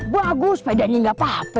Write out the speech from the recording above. bagus sepedanya gak apa apa